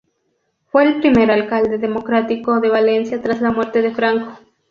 Fue el primer alcalde democrático de Valencia tras la muerte de Franco.